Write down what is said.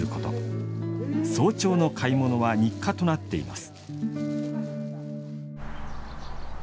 早朝の買い物は日課となっています。